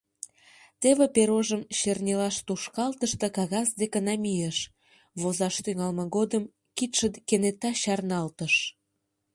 Теве перожым чернилаш тушкалтыш да кагаз деке намийыш, возаш тӱҥалме годым кидше кенета чарналтыш.